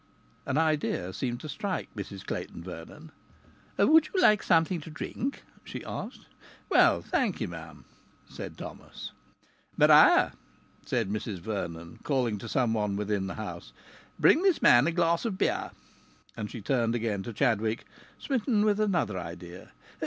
An idea seemed to strike Mrs Clayton Vernon. "Would you like something to drink?" she asked. "Well, thank ye, m'm," said Thomas. "Maria," said Mrs Vernon, calling to someone within the house, "bring this man a glass of beer." And she turned again to Chadwick, smitten with another idea.